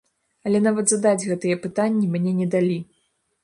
Але нават задаць гэтыя пытанні мне не далі.